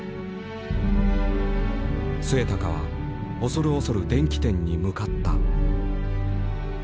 末高は恐る恐る電器店に向かった。